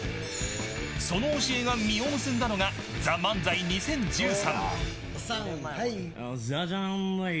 その教えが実を結んだのがＴＨＥＭＡＮＺＡＩ２０１３。